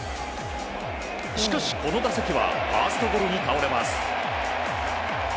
しかし、この打席はファーストゴロに倒れます。